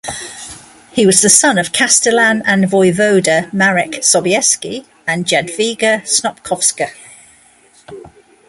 He was the son of castellan and voivode Marek Sobieski and Jadwiga Snopkowska.